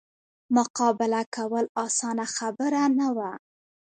مقابله کول اسانه خبره نه وه.